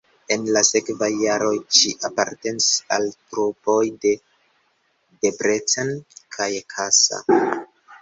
En la sekvaj jaroj ŝi apartenis al trupoj de Debrecen kaj Kassa.